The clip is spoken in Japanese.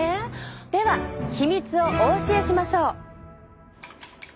では秘密をお教えしましょう！